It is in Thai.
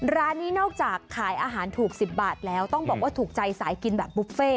ร้านนี้นอกจากขายอาหารถูก๑๐บาทแล้วต้องบอกว่าถูกใจสายกินแบบบุฟเฟ่